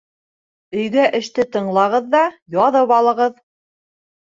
Өйгә эште тыңлағыҙ ҙа яҙып алығыҙ.